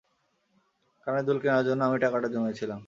কানের দুল কেনার জন্য আমি টাকাটা জমিয়েছিলাম।